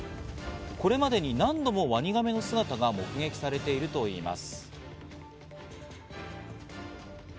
これまでに何度もワニガメの姿が目撃されているといいます。